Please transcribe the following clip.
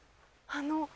あの。